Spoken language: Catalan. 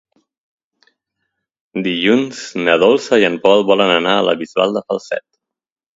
Dilluns na Dolça i en Pol volen anar a la Bisbal de Falset.